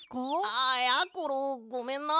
ああやころごめんな。